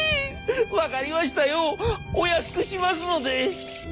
分かりましたよお安くしますので！」。